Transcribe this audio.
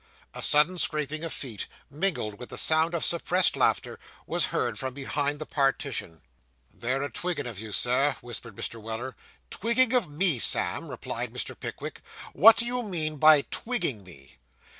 A sudden scraping of feet, mingled with the sound of suppressed laughter, was heard from behind the partition. 'They're a twiggin' of you, Sir,' whispered Mr. Weller. 'Twigging of me, Sam!' replied Mr. Pickwick; 'what do you mean by twigging me?